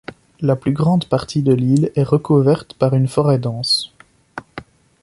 La plus grande partie de l'île est recouverte par une forêt dense.